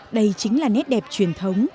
đây chính là nét đẹp truyền thống